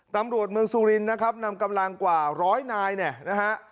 ตำรวจเมืองสุรินนะครับนำกำลังกว่าร้อยนายเนี่ยนะฮะ